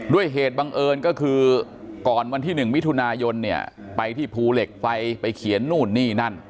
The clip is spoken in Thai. เหตุบังเอิญก็คือก่อนวันที่๑มิถุนายนเนี่ยไปที่ภูเหล็กไฟไปเขียนนู่นนี่นั่น